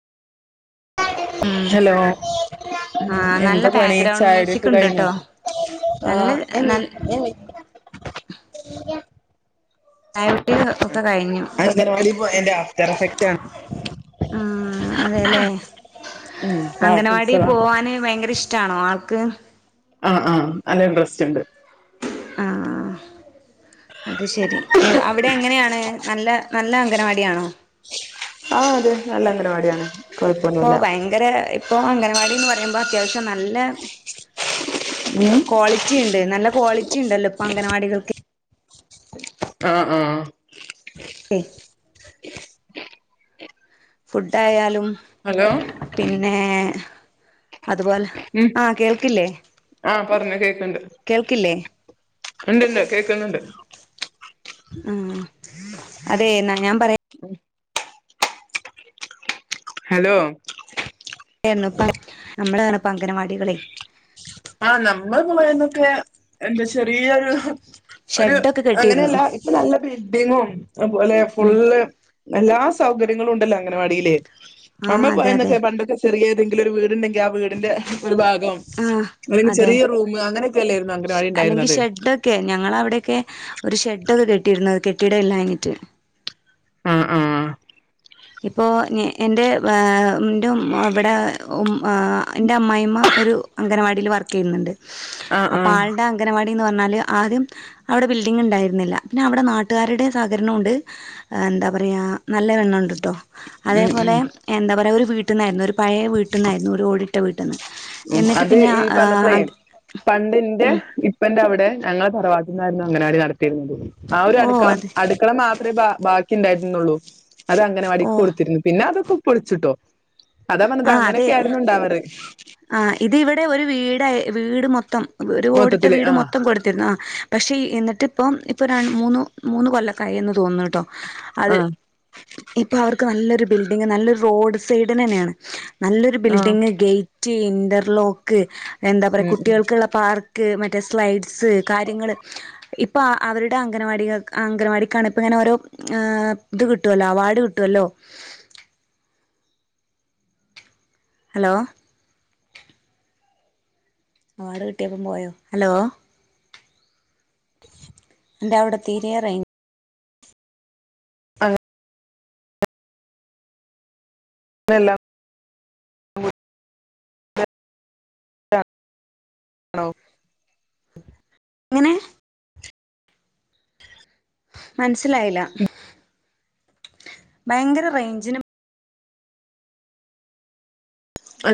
ഉം ഹലോ ആ നല്ല എന്താ പണി ബാക്ക്ഗ്രൗണ്ട് മ്യൂസിക് ചായട്യൊക്കെ ഉണ്ട് കയ്ഞ്ഞൊ ട്ടോ നല്ല ആഹ്, ഞ മി നല്ല ഞ മി [unintelligible] ഒക്കെ കഴിഞ്ഞു അംഗൻവാടി പോയേന്റെ ആഫ്റ്റർ എഫക്റ്റാണ് ആഹ് അതെല്ലേ ഉം അംഗനവാടി പാട്ടുത്സവാ പോവാന് ഭയങ്കര ഇഷ്ടാണോ ആൾക്ക് ആഹ് ആഹ് നല്ല ഇഡ്രസ്റ്റ് ണ്ട് ആഹ് അത് ശരി, അവിടെ എങ്ങനെയാണ് നല്ല നല്ല അംഗനവാടിയാണോ ആഹ് അതെ നല്ല അംഗനവാടിയാണ് പ്പൊ കൊഴപ്പൊന്നുല്ല ഭയങ്കര ഇപ്പോ അംഗൻവാടിന്ന് പറയുമ്പോ അത്യാവശ്യം നല്ല ഉം ക്വാളി റ്റിണ്ട് നല്ല ക്വാളിറ്റിണ്ടല്ലോ പ്പഅംഗനവാടികൾക്ക് ആഹ് ആഹ് ഫുഡ്ടായാലും ഹലോ പിന്നെ അതുപോലെ ഉം ആഹ് കേൾക്ക്ല്ലേ ആഹ് പർഞ്ഞോ കേക്ക്‌ണ്ട് കേൾക്ക്ല്ലേ ഇണ്ട്ണ്ട് കേക്ക്ന്നുണ്ട് ഉം അതേ എന്നാ ഞാൻ പറയാ ഉമ് ഹെലോ [unintelligible] അംഗനവാടികളെ ആഹ് നമ്മള് പോയന്നൊക്കെ എന്താ ചെറിയൊരു ഒരു ഷെഡൊക്കെ കെട്ടിയിരുന്നു അങ്ങനെയല്ല ഇപ്പൊ നല്ല ബിൽഡിങ്ങും അതുപോലെ ഉം ഫുള്ള് എല്ലാ സൗകര്യങ്ങളുണ്ടല്ലോ അംഗനവാടീല് ആ നമ്മള് അതെ അതെ പോയന്നൊക്കെ പണ്ടൊക്കെ ചെറിയ ഏതെങ്കിലും ഒരു വീടുണ്ടെങ്കിൽ ആ വീടിന്റെ ഒരു ഭാഗം ആഹ് അല്ലെങ്കി ചെറിയ റൂം അങ്ങനെയൊക്കെയല്ലായിരുന്നോ അംഗനവാടിണ്ടായിരുന്നത് ക്കെ ഞങ്ങളവിടെയൊക്കെ ഒരു ഷെഡൊക്കെ കെട്ടിയിരുന്നത് കെട്ടിട ഇല്ലാഞ്ഞിട്ട് ആഹ് ആഹ് ഇപ്പോ നി എന്റെ വെ ഉം ന്റെ മ് ഇവിടെ ഉം ആ എന്റെ അമ്മായിയമ്മ ഒരു അംഗനവാടീല് വർക്കെയ്യുന്നുണ്ട് ആഹ് അപ്പം ആഹ് ആൾടെ അംഗനവാടീന്നു പറഞ്ഞാല് ആദ്യം അവിടെ ബിൽഡിങ്ങുണ്ടായിരുന്നില്ല പിന്നെ അവിടെ നാട്ടുകാരുടെ സഹകരണൊണ്ട്. ആഹ് എന്താ പറയാ നല്ലവെണ്ണമൊണ്ട് ട്ടോ ഉം അതേപോലെ ഉം എന്താ പറയാ ഒരു വീട്ടിന്നായിരുന്നു ഒരു പഴേ വീട്ടിന്നായിരുന്നു ഒരു ഓടിട്ട വീട്ടീന്ന്. ഉം അത് ഈ പറഞ്ഞപ്ലേ പണ്ട്ന്റെ ഇ അപ്പന്റെ അവിടെ ഞങ്ങളെ തറവാട്ടിലാര്ന്നു അങ്ങനവാടി നടത്തീരുന്നത്. ആ ഒരു ഓ അടുക്കളം അത് അട് ക്കള മാത്രമേ ബ ബാക്കി ഉണ്ടായിരുന്നുള്ളൂ. അത് ഓ അങ്കനവാടിക്കൊടുത്തിരുന്നു. പിന്നെ അതൊക്കെ പൊളിച്ചുട്ടോ. അതാ പറഞ്ഞത് അങ്ങനൊക്കെ ആയിരുന്നു ഉണ്ടാവറ്. ആഹ് ഇത് ഇവടെ ഒരു വീടായി വീട് മൊത്തം ഒരു ഓടിട്ട മൊത്തത്തില് വീട് ആഹ് മൊത്തം കൊട് ആ പക്ഷേ എന്നിട്ട് ഇപ്പം ഇപ്പ രൺ മൂന്ന് മൂന്ന് കൊല്ലക്കായിന്ന് തോന്നുന്നുട്ടോ?. അത് ആഹ് ഇപ്പൊ അവർക്ക് നല്ലൊരു ബിൽഡിങ് നല്ലൊരു റോഡ് സൈഡ്നെന്നെയാണ്. നല്ലൊരു ആഹ് ബിൽഡിങ് ഗേറ്റ് ഇന്റർലോക്ക് എന്താ പറയാ ഉം ഉം കുട്ടികൾക്കുള്ള പാർ ക്ക് മറ്റെ സ്ലൈഡ്സ് കാര്യങ്ങൾ ഇ പ്പ അവരുടെ അംഗവാടിക അംഗനവാടിക്കാണ്പ്പ ങ്ങനെ ഓരോ. ഏഹ് ഇത് കിട്ടുവല്ലോ അവാർഡ് കിട്ടുവല്ലോ ഹലോ ആട് കിട്ടിയപ്പം പോയോ ഹലോ എന്റെ അവിടെ തീരേ റെയിൻ ഇല്ലല്ലൊ ആണോ എങ്ങനെ മനസ്സിലായില്ല. ഭയങ്കര റേഞ്ചിനും.